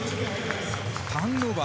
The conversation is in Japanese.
ターンオーバー